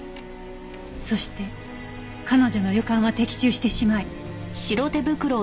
そして彼女の予感は的中してしまい。